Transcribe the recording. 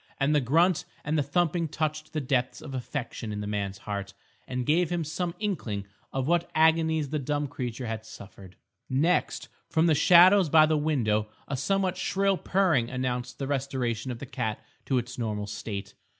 And the grunt and the thumping touched the depth of affection in the man's heart, and gave him some inkling of what agonies the dumb creature had suffered. Next, from the shadows by the window, a somewhat shrill purring announced the restoration of the cat to its normal state.